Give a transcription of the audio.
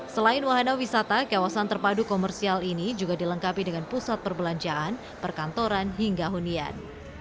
selain wahana wisata kawasan terpadu komersial ini juga dilengkapi dengan pusat perbelanjaan perkantoran hingga hunian